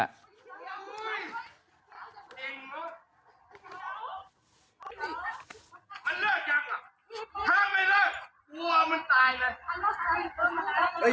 มันเลิกยังถ้าไม่เลิกวัวมันตายเลย